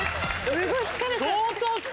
すごい疲れて。